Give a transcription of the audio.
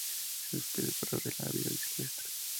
Es una especie rara en la vida silvestre.